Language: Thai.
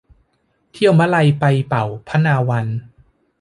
เที่ยวมะไลไปเป่าพนาวัน